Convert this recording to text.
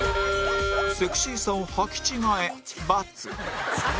セクシーさをはき違え×